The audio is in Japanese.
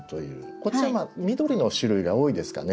こちらは緑の種類が多いですかね。